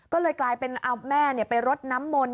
ก็เลยกลายเป็นเอาแม่ไปรดน้ำมนต